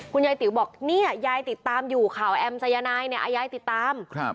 ยายติ๋วบอกเนี่ยยายติดตามอยู่ข่าวแอมสายนายเนี่ยยายติดตาม